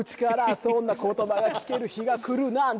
「そんな言葉が聞ける日が来るなんて」